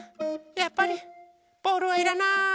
やっぱりボールはいらない。